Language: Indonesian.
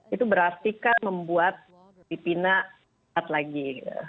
itu berarti kan membuat filipina saat lagi